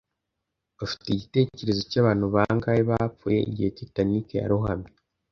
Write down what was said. Ufite igitekerezo cyabantu bangahe bapfuye igihe Titanic yarohamye?